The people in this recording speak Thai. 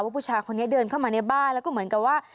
ผู้ชายคนนี้เดินเข้ามาในบ้านแล้วก็เหมือนกับว่า